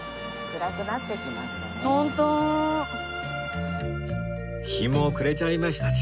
暗くなってきましたもんね。